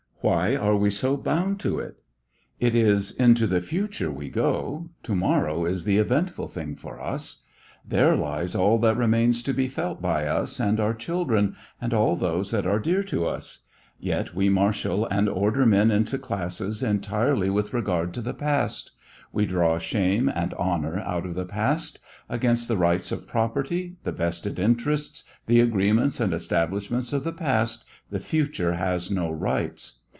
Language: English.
Why are we so bound to it? It is into the future we go, to morrow is the eventful thing for us. There lies all that remains to be felt by us and our children and all those that are dear to us. Yet we marshal and order men into classes entirely with regard to the past; we draw shame and honor out of the past; against the rights of property, the vested interests, the agreements and establishments of the past the future has no rights.